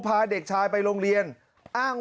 เมื่อกี้มันร้องพักเดียวเลย